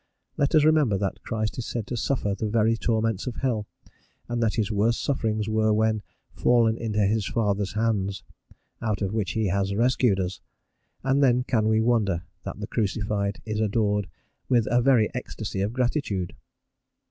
Let us remember that Christ is said to suffer the very torments of hell, and that his worst sufferings were when "fallen into his father's hands," out of which he has rescued us, and then can we wonder that the crucified is adored with a very ecstasy of gratitude?